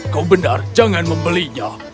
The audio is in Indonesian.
kau benar jangan membelinya